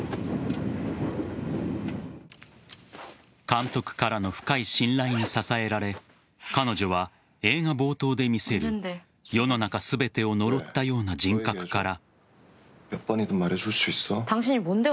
監督からの深い信頼に支えられ彼女は映画冒頭で見せる世の中全てを呪ったような人格から。